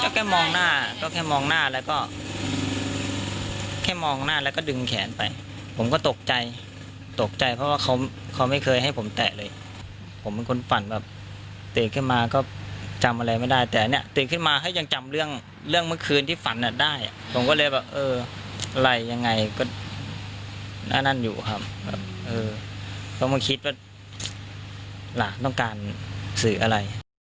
ก็แค่มองหน้าก็แค่มองหน้าแล้วก็แค่มองหน้าแล้วก็ดึงแขนไปผมก็ตกใจตกใจเพราะว่าเขาเขาไม่เคยให้ผมแตะเลยผมเป็นคนฝันแบบตื่นขึ้นมาก็จำอะไรไม่ได้แต่เนี่ยตื่นขึ้นมาเขายังจำเรื่องเรื่องเมื่อคืนที่ฝันอ่ะได้ผมก็เลยแบบเอออะไรยังไงก็หน้านั้นอยู่ครับแบบเออก็มาคิดว่าล่ะต้องการสื่ออะไร